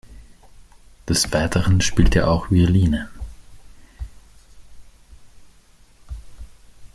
Des Weiteren spielt er auch Violine.